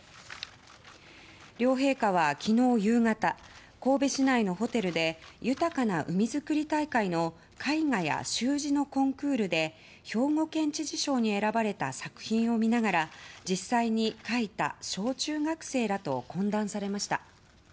両陛下は、昨日夕方神戸市内のホテルで豊かな海づくり大会の絵画や習字のコンクールで兵庫県知事賞に選ばれた作品を見ながら実際に描いた小中学生らと懇談されました。